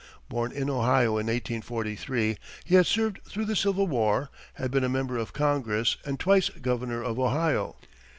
Born in Ohio in 1843, he had served through the Civil War, had been a member of Congress and twice governor of Ohio.